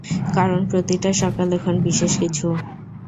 কারণ প্রতিটা সকাল এখন বিশেষ কিছু।